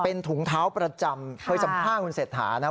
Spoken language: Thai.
เป็นถุงเท้าประจำเคยสัมภาษณ์คุณเศรษฐานะ